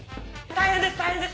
大変です！